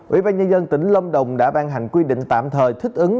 ủy ban nhân dân tỉnh lâm đồng đã ban hành quy định tạm thời thích ứng